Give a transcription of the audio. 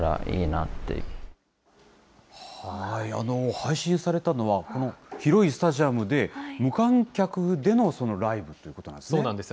配信されたのは、この広いスタジアムで無観客でのライブということなんですね。